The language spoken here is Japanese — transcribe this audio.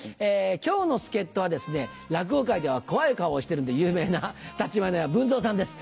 今日の助っ人は落語界では怖い顔をしているので有名な橘家文蔵さんです